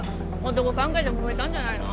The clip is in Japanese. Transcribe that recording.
男関係でもめたんじゃないの？